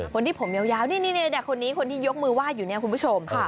คนที่ผมยาวนี่คนที่ยกมือวาดอยู่เนี่ยคุณผู้ชม